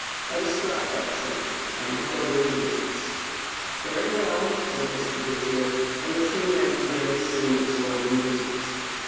Let us drop that subject and look over the business." " Very well," said Mr. Dojere, and the two men were soon absorbed in business.